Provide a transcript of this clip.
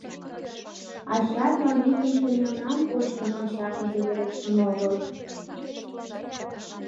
— Ачатлан икымше мелнам кочкын ончашыже верештын огыл.